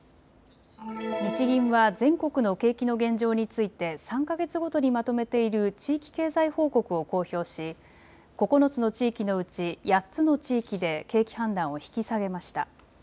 日銀は全国の景気の現状について３か月ごとにまとめている地域経済報告を公表し９つの地域のうち８つの地域で景気判断を引き下げました。